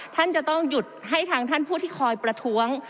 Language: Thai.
ท่านจะต้องหยุดให้ทางท่านผู้ที่คอยประท้วง